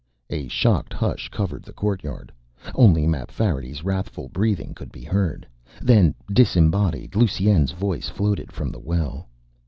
A shocked hush covered the courtyard. Only Mapfarity's wrathful breathing could be heard. Then, disembodied, Lusine's voice floated from the well.